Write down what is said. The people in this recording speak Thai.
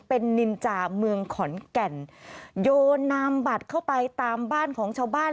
เป็นนินจาเมืองขอนแก่นโยนนามบัตรเข้าไปตามบ้านของชาวบ้าน